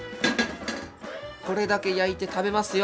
これだけ焼いて食べますよ！